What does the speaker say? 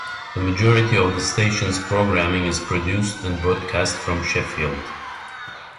The majority of the station's programming is produced and broadcast from Sheffield.